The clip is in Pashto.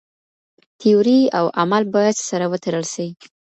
تيوري او عمل بايد سره وتړل سي.